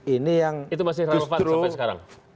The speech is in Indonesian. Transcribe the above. itu masih relevan sampai sekarang